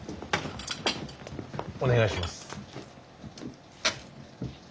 お願いします。